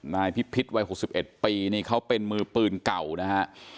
นายพิพิษวัย๖๑ปีนี่เขาเป็นมือปืนเก่านะฮะ